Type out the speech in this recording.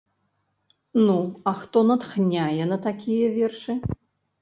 Ну, а хто натхняе на такія вершы?